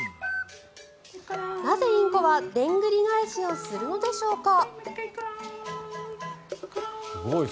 なぜ、インコはでんぐり返しをするのでしょうか。